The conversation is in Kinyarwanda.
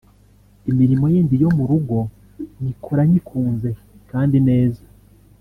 Imirimo yindi yo mu rugo nyikora nyikunze kandi neza